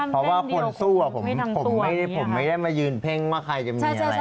เพราะว่าคนสู้ผมไม่ได้มายืนเพ่งว่าใครจะมีอะไร